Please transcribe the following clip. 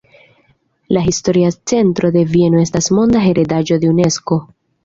La historia centro de Vieno estas monda heredaĵo de Unesko.